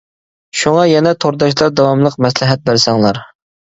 شۇڭا يەنە تورداشلار داۋاملىق مەسلىھەت بەرسەڭلار.